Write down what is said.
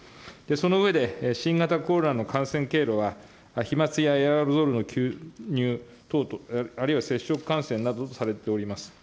その上で、新型コロナの感染経路が飛まつやエアロゾルの吸入等、あるいは接触感染などとされております。